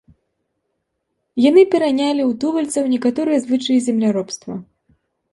Яны перанялі ў тубыльцаў некаторыя звычаі земляробства.